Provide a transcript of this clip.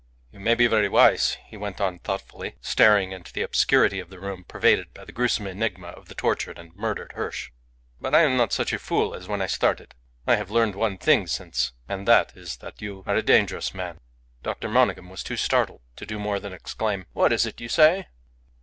"You may be very wise," he went on, thoughtfully, staring into the obscurity of the room, pervaded by the gruesome enigma of the tortured and murdered Hirsch. "But I am not such a fool as when I started. I have learned one thing since, and that is that you are a dangerous man." Dr. Monygham was too startled to do more than exclaim "What is it you say?"